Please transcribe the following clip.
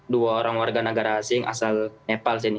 dua orang warga negara asing asal nepal sini